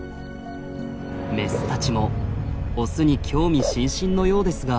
メスたちもオスに興味津々のようですが。